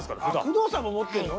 工藤さんも持ってるの？